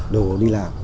đồ đi làm